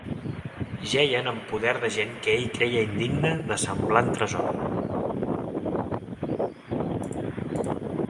Jeien en poder de gent que ell creia indigna de semblant tresor